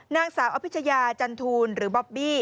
นางสาวอภิชยาจันทูลหรือบอบบี้